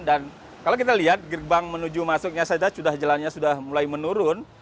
dan kalau kita lihat gerbang menuju masuknya saja jalan jalannya sudah mulai menurun